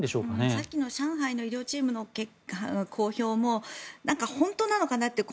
さっきの上海の医療チームの公表も本当なのかなという。